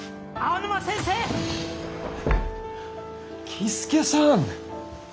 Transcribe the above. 僖助さん！